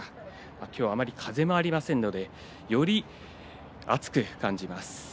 今日はあまり風がありませんのでより暑く感じます。